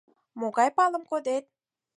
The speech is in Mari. Могай палым коден?